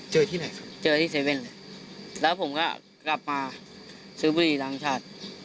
ที่ไหนครับเจอที่เซเว่นเลยแล้วผมก็กลับมาซื้อบุหรี่ล้างชาติ